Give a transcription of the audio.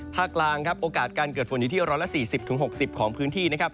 กลางครับโอกาสการเกิดฝนอยู่ที่๑๔๐๖๐ของพื้นที่นะครับ